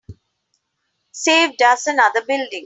Saved us another building.